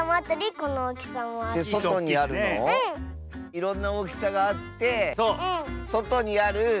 いろんなおおきさがあってそとにある。